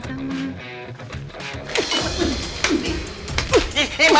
eh mbak mbak mbak